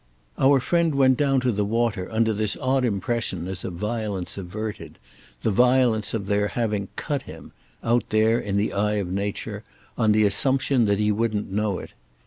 Our friend went down to the water under this odd impression as of violence averted—the violence of their having "cut" him, out there in the eye of nature, on the assumption that he wouldn't know it.